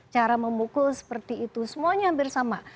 cara memukul seperti itu semuanya hampir sama